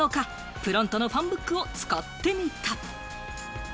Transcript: ＰＲＯＮＴＯのファンブックを使ってみた。